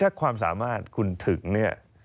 ถ้าความสามารถคุณถึงเนี่ย